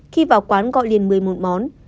khi vào quán gọi liền một mươi một món